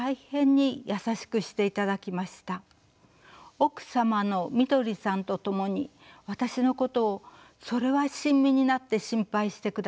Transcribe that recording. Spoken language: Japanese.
奥様のみどりさんと共に私のことをそれは親身になって心配してくださったのです。